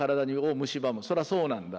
それはそうなんだ。